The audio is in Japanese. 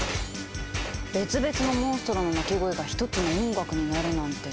別々のモンストロの鳴き声が一つの音楽になるなんて。